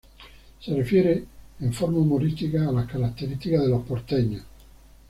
Se refiere en forma humorística a las características de los porteños.